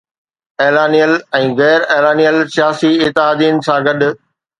اعلانيل ۽ غير اعلانيل سياسي اتحادين سان گڏ